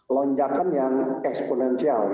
lonjakan yang eksponensial